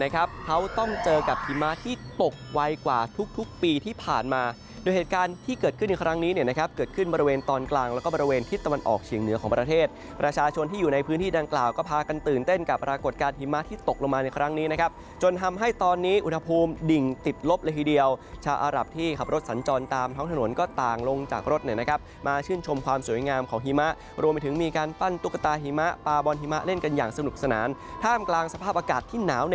เขาต้องเจอกับหิมะที่ตกไว้กว่าทุกปีที่ผ่านมาโดยเหตุการณ์ที่เกิดขึ้นในครั้งนี้นะครับเกิดขึ้นบริเวณตอนกลางแล้วก็บริเวณทิศตะวันออกเฉียงเหนือของประเทศประชาชนที่อยู่ในพื้นที่ดังกล่าวก็พากันตื่นเต้นกับปรากฏการณ์หิมะที่ตกลงมาในครั้งนี้นะครับจนทำให้ตอนนี้อุทธภูมิดิ่